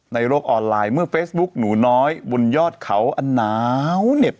ในโลกออนไลน์เมื่อเฟซบุ๊กหนูน้อยบนยอดเขาอันหนาวเหน็บ